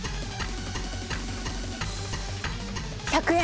１００円。